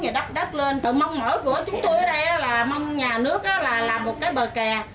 và đắp đắp lên tự mong mỗi của chúng tôi ở đây là mong nhà nước là một cái bờ kè